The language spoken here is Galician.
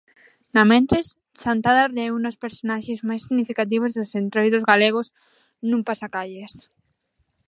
Namentres, Chantada reúne os personaxes máis significativos dos entroidos galegos nun pasacalles.